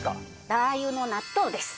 ラー油の納豆です。